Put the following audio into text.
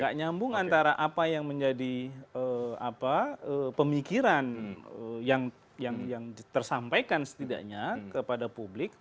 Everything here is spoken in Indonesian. gak nyambung antara apa yang menjadi pemikiran yang tersampaikan setidaknya kepada publik